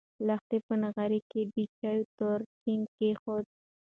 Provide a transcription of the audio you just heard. لښتې په نغري کې د چایو تور چاینک کېښود.